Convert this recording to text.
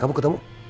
bisa kan ketemu